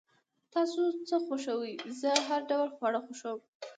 تاسو څه خوښوئ؟ زه هر ډوله خواړه خوښوم